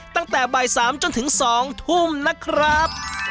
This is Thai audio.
ตั้งแต่บ่าย๓จนถึง๒ทุ่มนะครับ